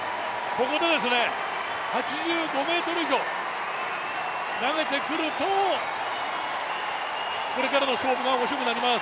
ここで８５ｍ以上投げてくるとこれからの勝負がおもしろくなります。